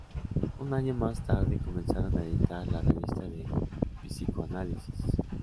Un año más tarde, comenzaron a editar la "Revista de Psicoanálisis".